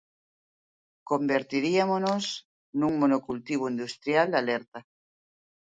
Convertiríamonos nun monocultivo industrial alerta.